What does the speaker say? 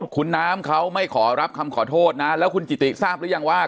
คุณน้ำเขาไม่ขอรับคำขอโทษนะแล้วคุณกิติทราบหรือยังว่า